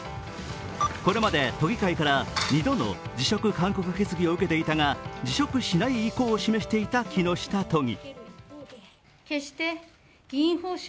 これまで都議会から２度の辞職勧告決議を受けていたが、辞職しない意向を示していた木下都議。